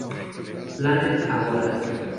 Planet Agora.